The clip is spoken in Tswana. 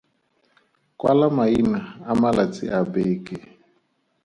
Kwala maina a malatsi a beke.